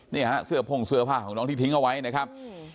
นี่ฮะเสื้อพ่งเสื้อผ้าของน้องที่ทิ้งเอาไว้นะครับ